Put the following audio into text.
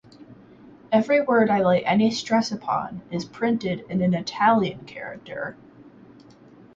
Every word I lay any stress upon, is printed in an Italian character.